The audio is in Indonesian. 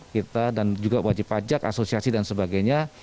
kita dan juga wajib pajak asosiasi dan sebagainya